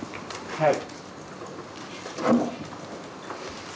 はい。